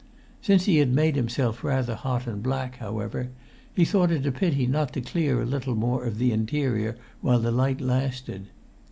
Since he had made himself rather hot and black, however, he thought it a pity not to clear a little more of the interior while the light lasted.